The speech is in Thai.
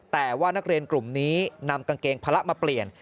แต่ว่านักเรียนกลุ่มนี้นำกางเกงพละมาเปลี่ยน